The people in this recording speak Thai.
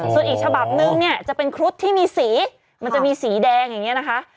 ส่วนอีกฉบับนึงเนี่ยจะเป็นครุฑที่มีสีมันจะมีสีแดงอย่างนี้นะคะ